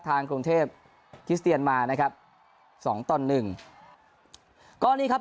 ทางกรุงเทพคิสเตียนมานะครับสองต่อหนึ่งกรณีครับ